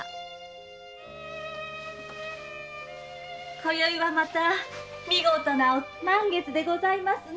今宵はまた見事な満月でございますね。